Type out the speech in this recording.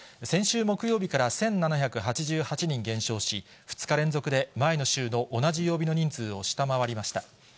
先週木曜日から１７８８人減少し、２日連続で前の週の同じ曜日の人数を下回りました。